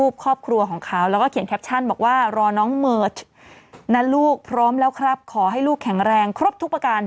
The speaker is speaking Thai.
พักก่อนเดี๋ยวช่วงหน้ากลับมานะครับ